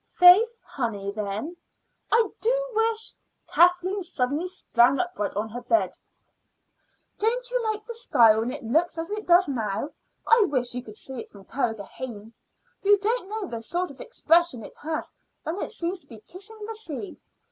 "Faith! honey, then." "I do wish " Kathleen suddenly sprang upright on her bed. "Don't you like the sky when it looks as it does now? I wish you could see it from Carrigrohane. You don't know the sort of expression it has when it seems to be kissing the sea.